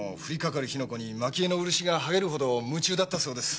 火の粉に蒔絵の漆がはげるほど夢中だったそうです。